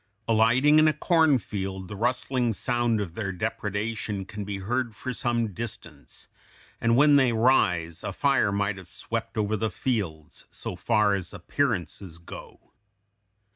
Alighting in a cornfield the rustling sound of their depredation can be heard for some distance; and when they rise, a fire might have swept over the fields, so far as appearances go.